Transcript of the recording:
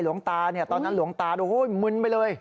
หลวงตาตอนนั้นหลวงตามึนไปเลย